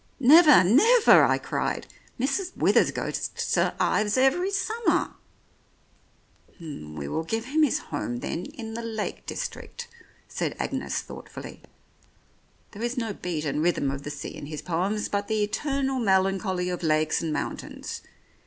"Never, never !" I cried. "Mrs. Withers goes to St. Ives every summer." 95 The Oriolists "We will give him his home, then, in the Lake District," said Agnes thoughtfully. "There is no beat and rhythm of the sea in his poems, but the eternal melancholy of lakes and mountains.